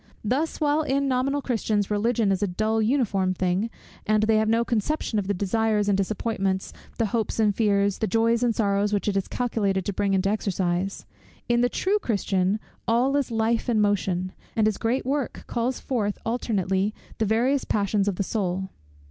Thus while in nominal Christians, Religion is a dull uniform thing, and they have no conception of the desires and disappointments, the hopes and fears, the joys and sorrows, which it is calculated to bring into exercise; in the true Christian all is life and motion, and his great work calls forth alternately the various passions of the soul.